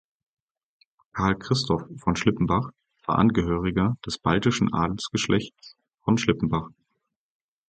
Carl Christoph von Schlippenbach war Angehöriger des baltischen Adelsgeschlechts von Schlippenbach.